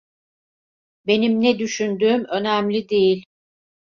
Benim ne düşündüğüm önemli değil.